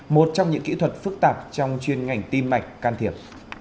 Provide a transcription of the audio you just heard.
một trong những kỹ thuật phức tạp trong chuyên ngành tim mạch can thiệp